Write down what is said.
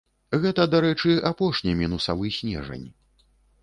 Гэта, дарэчы, апошні мінусавы снежань.